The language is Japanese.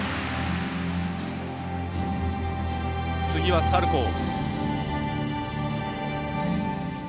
次はサルコー。